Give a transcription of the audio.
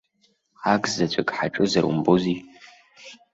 Акзаҵәык ҳаҿызар умбози!